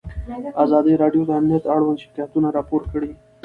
ازادي راډیو د امنیت اړوند شکایتونه راپور کړي.